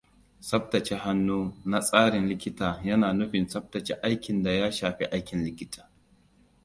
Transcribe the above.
Tsabtace hannu na tsarin likita yana nufin tsabtace aikin da ya shafi aikin likita.